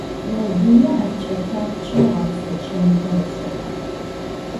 Medine epç'e - lhapç'eu ğetseç'enxer ış'ığex.